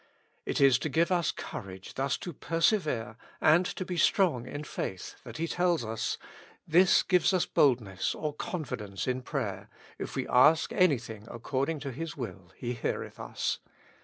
It is to give us courage thus to persevere and to be strong in faith, that He tells us : This gives us boldness or confidence in prayer, if we ask anything according to His will. He heareth us.